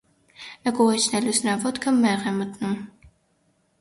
Նկուղ իջնելուց, նրա ոտքը մեղ է մտնում։